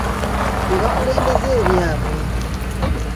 Ne bakulembeza ebyabwe.